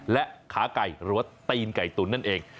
และขาไก่หรือว่าตีนไก่ตุ๋นนั่นเอง